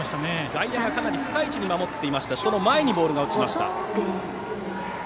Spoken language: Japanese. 外野はかなり深い位置に守っていましたがその前にボールが落ちました。